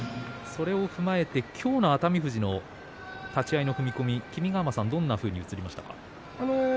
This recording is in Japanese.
それを踏まえて今日の熱海富士の立ち合い君ヶ濱さんにはどんなふうに映りましたか。